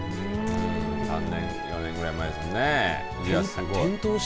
３年、４年ぐらい前ですよね。